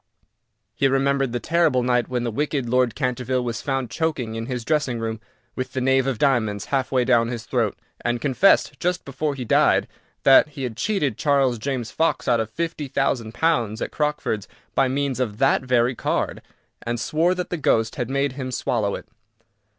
He remembered the terrible night when the wicked Lord Canterville was found choking in his dressing room, with the knave of diamonds half way down his throat, and confessed, just before he died, that he had cheated Charles James Fox out of £50,000 at Crockford's by means of that very card, and swore that the ghost had made him swallow it.